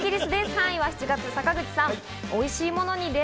３位は７月生まれ、坂口さん。